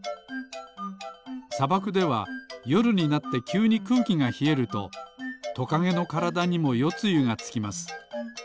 さばくではよるになってきゅうにくうきがひえるとトカゲのからだにもよつゆがつきます。